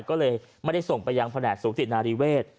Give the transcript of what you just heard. ก็เลยไม่ได้ส่งไปยังแผนกสูตินารีเวศ